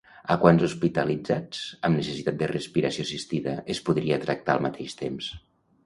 A quants hospitalitzats amb necessitat de respiració assistida es podria tractar al mateix temps?